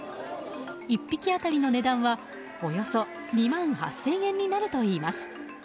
１匹当たりの値段はおよそ２万８０００円になるといいます。